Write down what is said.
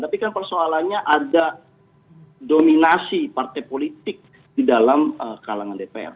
tapi kan persoalannya ada dominasi partai politik di dalam kalangan dpr